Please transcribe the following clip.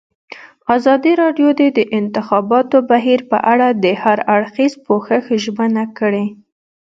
ازادي راډیو د د انتخاباتو بهیر په اړه د هر اړخیز پوښښ ژمنه کړې.